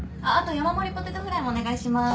山盛りポテトフライもお願いします。